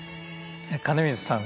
金光さん